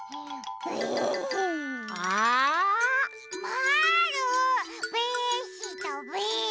まぁるべしたべ。